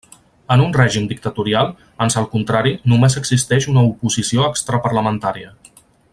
En un règim dictatorial, ans al contrari només existeix una oposició extraparlamentària.